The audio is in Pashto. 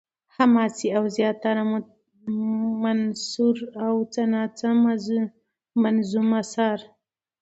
حماسې او زياتره منثور او څه نا څه منظوم اثار